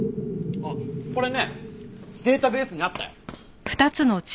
あっこれねデータベースにあったよ。